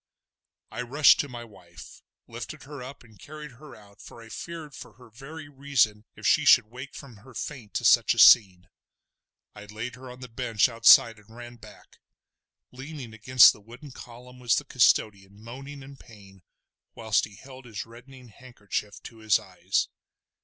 I rushed to my wife, lifted her up and carried her out, for I feared for her very reason if she should wake from her faint to such a scene. I laid her on the bench outside and ran back. Leaning against the wooden column was the custodian moaning in pain whilst he held his reddening handkerchief to his eyes.